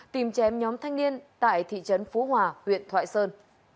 tìm chém nhóm thanh niên tại thị trấn phú hòa huyện thoại sơn